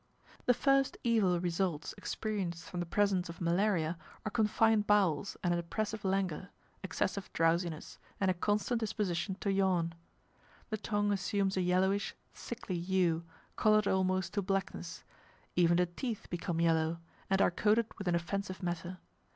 The first evil results experienced from the presence of malaria are confined bowels and an oppressive languor, excessive drowsiness, and a constant disposition to yawn. The tongue assumes a yellowish, sickly hue, coloured almost to blackness; even the teeth become yellow, and are coated with an offensive matter.